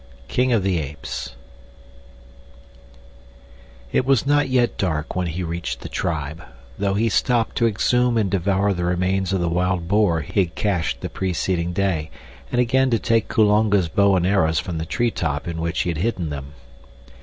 "King of the Apes" It was not yet dark when he reached the tribe, though he stopped to exhume and devour the remains of the wild boar he had cached the preceding day, and again to take Kulonga's bow and arrows from the tree top in which he had hidden them.